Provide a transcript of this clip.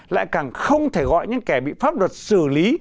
lại càng không thể gọi những kẻ bị pháp luật xử lý